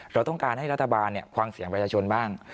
เราต้องการให้รัฐบาลฟังเสียงประชาชนบ้าง